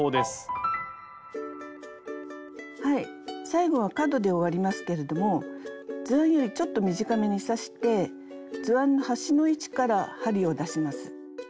最後は角で終わりますけれども図案よりちょっと短めに刺して図案の端の位置から針を出します。